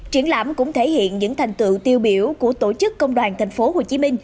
triển lãm cũng thể hiện những thành tựu tiêu biểu của tổ chức công đoàn tp hcm